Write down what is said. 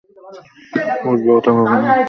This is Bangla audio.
পূর্বে ওটা ভাবি নি।